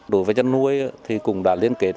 đối với chăn nuôi thì cũng đã liên kết